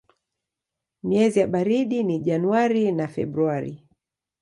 Miezi ya baridi ni Januari na Februari.